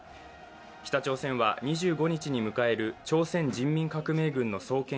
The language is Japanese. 北朝鮮は２５日に迎える朝鮮人民革命軍の創建